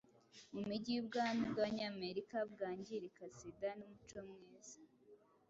mumijyi yubwami bwabanyamerika bwangirika, sida, numuco mwiza,